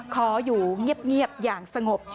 ขออยู่เงียบอย่างสงบ